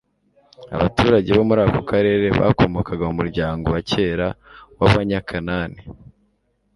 Abaturage bo muri ako karere bakomokaga mu muryango wa kera w'abanyakanani,